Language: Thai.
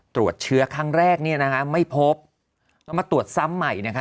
ตรวจเชื้อครั้งแรกเนี่ยนะคะไม่พบก็มาตรวจซ้ำใหม่นะคะ